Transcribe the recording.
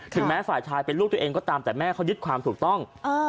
แม้ฝ่ายชายเป็นลูกตัวเองก็ตามแต่แม่เขายึดความถูกต้อง